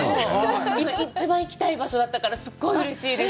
今、一番行きたい場所だったから、すごいうれしいです。